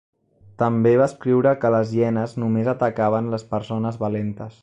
També va escriure que les hienes només atacaven les persones valentes.